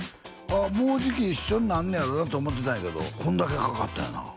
あもうじき一緒になんねやろなとは思ってたんやけどこんだけかかったんやなあ